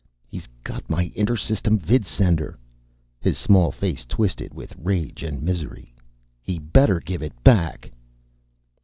"He's got my intersystem vidsender." His small face twisted with rage and misery. "He better give it back!"